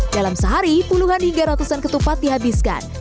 dalam sehari puluhan hingga ratusan ketupat dihabiskan